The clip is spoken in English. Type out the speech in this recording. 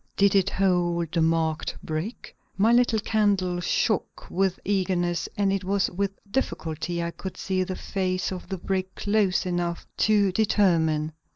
Did it hold the marked brick? My little candle shook with eagerness and it was with difficulty I could see the face of the brick close enough to determine.